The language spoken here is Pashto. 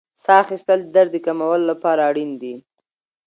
ساه اخیستل د درد د کمولو لپاره اړین دي.